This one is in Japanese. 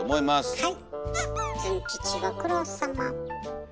はい。